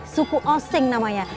suku osing namanya